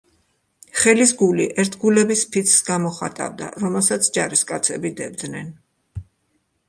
ხელისგული ერთგულების ფიცს გამოხატავდა, რომელსაც ჯარისკაცები დებდნენ.